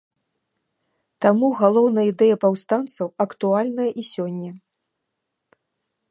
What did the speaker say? Таму галоўная ідэя паўстанцаў актуальная і сёння.